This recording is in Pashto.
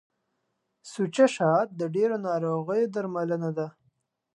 سوچه شات د ډیرو ناروغیو درملنه ده.